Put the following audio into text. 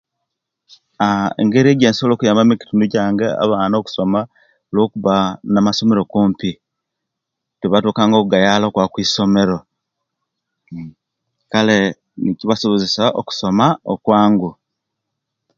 Aah engeri eyensobola okuyamba mukitundu kyange abana kusoma olwokuba namasomero kumpi tebatukanga ogayala okwaba kwisomero kale nikibasobozasa okusoma okwangu